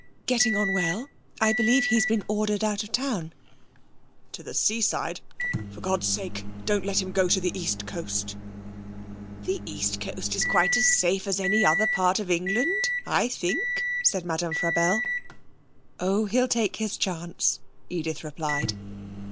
'Getting on well. I believe he's been ordered out of town.' 'To the seaside? For God's sake don't let him go to the east coast!' 'The east coast is quite as safe as any other part of England, I think.' said Madame Frabelle. 'Oh, he'll take his chance,' Edith replied.